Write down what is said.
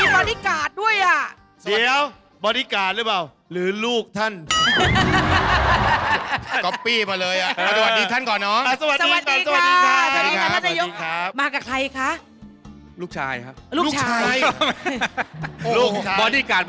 มีม้าเหรอ